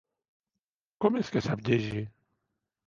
Com és que sap llegir?